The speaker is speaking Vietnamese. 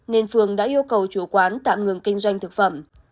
nên phường đã yêu cầu chủ quán tạm ngừng kinh doanh thực phẩm